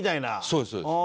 そうですそうです。